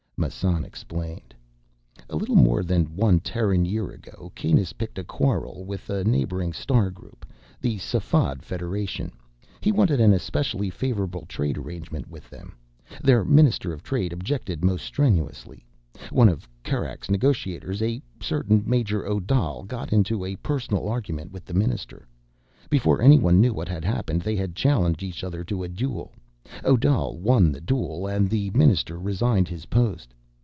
Massan explained, "A little more than one Terran year ago, Kanus picked a quarrel with a neighboring star group—the Safad Federation. He wanted an especially favorable trade agreement with them. Their minister of trade objected most strenuously. One of the Kerak negotiators—a certain Major Odal—got into a personal argument with the minister. Before anyone knew what had happened, they had challenged each other to a duel. Odal won the duel, and the minister resigned his post.